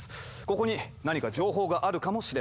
ここに何か情報があるかもしれません。